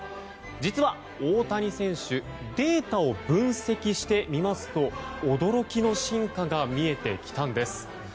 実は大谷選手データを分析してみますと驚きの進化が見えてきたんです。